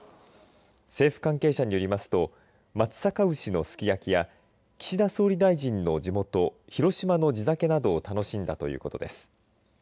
政府関係者によりますと松阪牛のすき焼きや岸田総理大臣の地元・広島の地酒などを楽しんだということです。